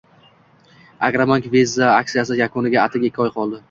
Agrobank “Visa aksiyasi” yakuniga atigi ikki oy qoldi!